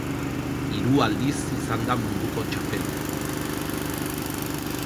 Hiru aldiz izan da munduko txapeldun.